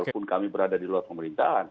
walaupun kami berada di luar pemerintahan